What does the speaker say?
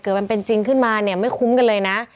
มันเป็นจริงขึ้นมาเนี่ยไม่คุ้มกันเลยนะ